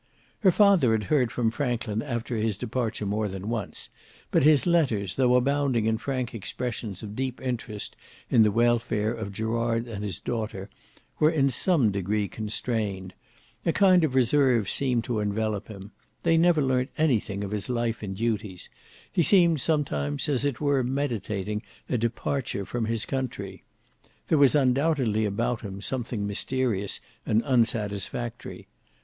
Her father had heard from Franklin after his departure more than once; but his letters, though abounding in frank expressions of deep interest in the welfare of Gerard and his daughter, were in some degree constrained: a kind of reserve seemed to envelope him; they never learnt anything of his life and duties: he seemed sometimes as it were meditating a departure from his country. There was undoubtedly about him something mysterious and unsatisfactory.